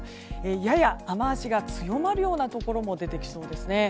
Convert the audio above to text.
やや雨脚が強まるようなところも出てきそうです。